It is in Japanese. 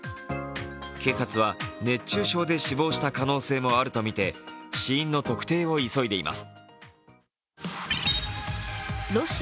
警察は、熱中症で死亡した可能性もあるとみて死因の特定を急いでいます。